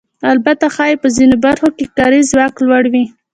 البته ښایي په ځینو برخو کې کاري ځواک لوړ وي